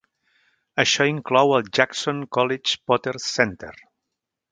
Això inclou el Jackson College Potter Center.